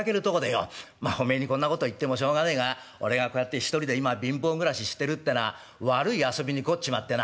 まあおめえにこんなこと言ってもしょうがねえが俺がこうやって１人で今は貧乏暮らししてるってのは悪い遊びに凝っちまってな。